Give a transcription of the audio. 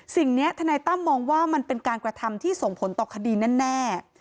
สิ่งนี้ทนายตั้มมองว่ามันเป็นการกระทำที่ส่งผลต่อคดีแน่